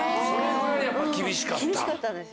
それぐらい厳しかった？